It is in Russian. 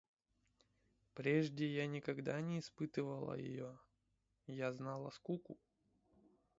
Прежде я никогда не испытывала ее – я знала скуку